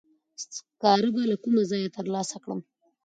سکاره به له کومه ځایه تر لاسه کړم؟